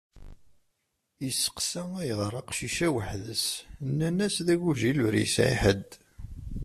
Iseqsa ayɣer aqcic-a weḥd-s, nnan-as d agujil ur yesɛi ḥedd.